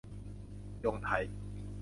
ยงไทย